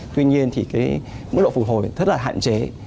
tuy nhiên mức độ phục hồi rất là hạn chế